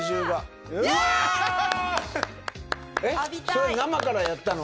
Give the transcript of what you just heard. それ生からやったの？